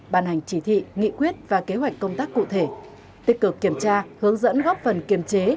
bàn hành chỉ thị nghị quyết và kế hoạch công tác cụ thể tích cực kiểm tra hướng dẫn góp phần kiềm chế